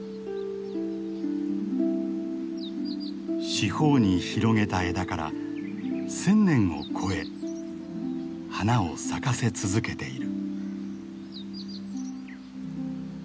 四方に広げた枝から１，０００年を超え花を咲かせ続けている。